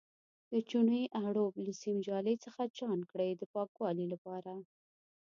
د چونې اړوب له سیم جالۍ څخه چاڼ کړئ د پاکوالي لپاره.